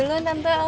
dulu nanti aku